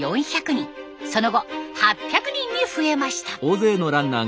その後８００人に増えました。